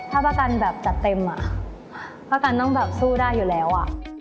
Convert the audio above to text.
ถ้าประกันแบบจัดเต็มอ่ะประกันต้องแบบสู้ได้อยู่แล้วอ่ะ